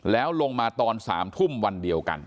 แล้วลงมาตอน๓ทุ่มวันเดียวกัน